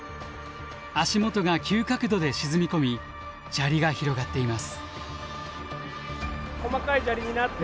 足もとが急角度で沈み込み砂利が広がっています。